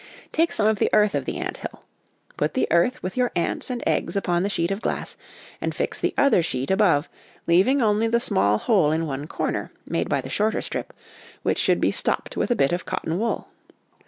Take some of the earth of the ant hill. Put the earth with your ants and eggs upon the sheet of glass and fix the other sheet above, leaving only the small hole in one corner, made by the shorter strip, which should be stopped with a bit of cotton wool.